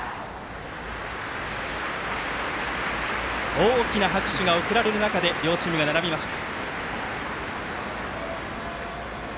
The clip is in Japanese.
大きな拍手が送られる中で両チームが並びました。